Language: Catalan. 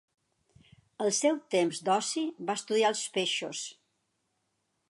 Al seu temps d'oci va estudiar els peixos.